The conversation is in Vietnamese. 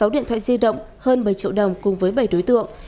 sáu điện thoại di động hơn bảy triệu đồng cùng với bảy đối tượng